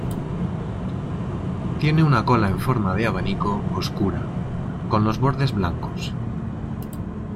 Tiene una cola en forma de abanico oscura, con los bordes blancos.